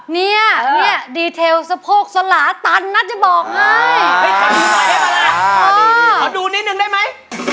เนี้ยเดตเทลเซอโภกเซอลาตันน่าจะบอกให้